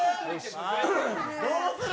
どうする？